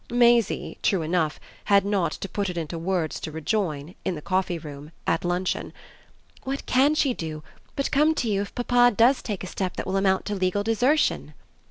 Maisie, true enough, had not to put it into words to rejoin, in the coffee room, at luncheon: "What CAN she do but come to you if papa does take a step that will amount to legal desertion?"